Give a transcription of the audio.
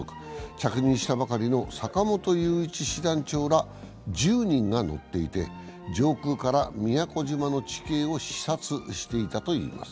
着任したばかりの坂本雄一師団長ら１０人が乗っていて上空から宮古島の地形を視察していたといいます。